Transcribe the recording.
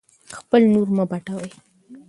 خپل نور مه پټوئ.